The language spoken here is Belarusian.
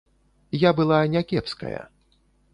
Я была не кепская.